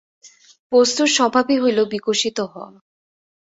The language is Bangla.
বস্তুর স্বভাবই হইল বিকশিত হওয়া।